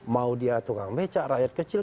mau dia tukang becak rakyat kecil